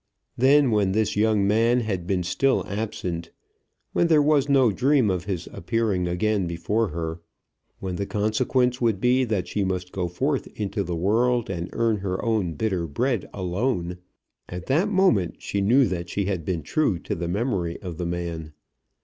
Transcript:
Then, when this young man had been still absent, when there was no dream of his appearing again before her, when the consequence would be that she must go forth into the world, and earn her own bitter bread alone, at that moment she knew that she had been true to the memory of the man.